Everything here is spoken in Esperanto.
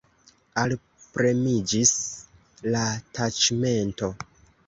Alpremiĝis la taĉmento.